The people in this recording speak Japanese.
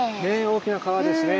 大きな川ですね。